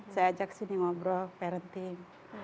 saya ajak sini ngobrol parenting